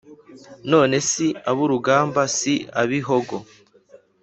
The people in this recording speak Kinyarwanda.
none si ab’urugamba si ab’ibihogo